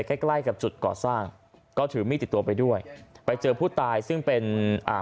ใกล้ใกล้กับจุดก่อสร้างก็ถือมีดติดตัวไปด้วยไปเจอผู้ตายซึ่งเป็นอ่า